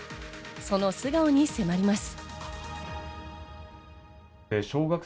その素顔に迫ります。